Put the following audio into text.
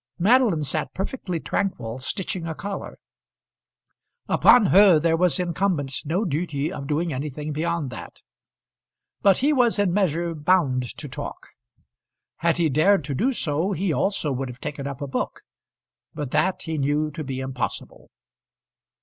Madeline sat perfectly tranquil stitching a collar. Upon her there was incumbent no duty of doing anything beyond that. But he was in a measure bound to talk. Had he dared to do so he also would have taken up a book; but that he knew to be impossible.